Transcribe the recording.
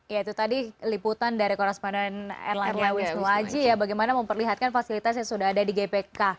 ya itu tadi liputan dari koresponden erlangga wisnuaji ya bagaimana memperlihatkan fasilitas yang sudah ada di gpk